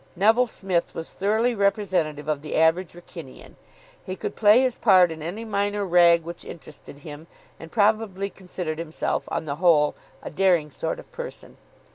Neville Smith was thoroughly representative of the average Wrykynian. He could play his part in any minor "rag" which interested him, and probably considered himself, on the whole, a daring sort of person.